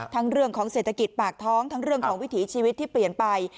เรื่องของเศรษฐกิจปากท้องทั้งเรื่องของวิถีชีวิตที่เปลี่ยนไป